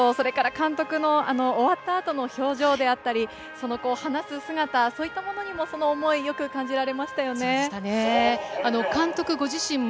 選手と監督の終わった後の表情であったり、話す姿、そういったものにも、その思いが感じられましたね。